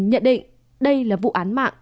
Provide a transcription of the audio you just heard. nhận định đây là vụ án mạng